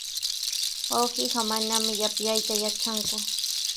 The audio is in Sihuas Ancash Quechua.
Wawqiiqa manami yapyayta yatranku.